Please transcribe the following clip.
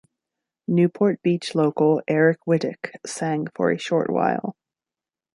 Newport Beach local Eric Whittick sang for a short while.